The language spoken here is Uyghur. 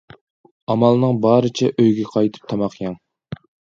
ئامالنىڭ بارىچە ئۆيگە قايتىپ تاماق يەڭ.